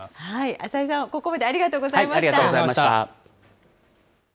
浅井さん、ここまでありがとうございました。